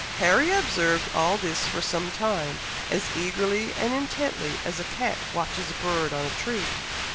Harry observed all this for some time, as eagerly and intently as a cat watches a bird on a tree.